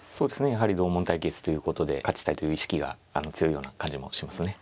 やはり同門対決ということで勝ちたいという意識が強いような感じもしますね。